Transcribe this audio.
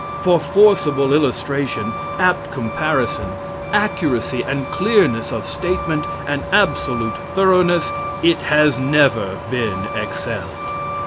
For forcible illustration, apt comparison, accuracy and clearness of statement, and absolute thoroughness, it has never been excelled.